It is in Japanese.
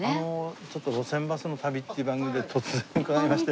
ちょっと『路線バスの旅』っていう番組で突然伺いまして。